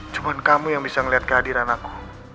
cuma kamu yang bisa melihat kehadiran aku